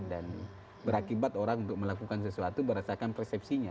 dan berakibat orang untuk melakukan sesuatu merasakan persepsinya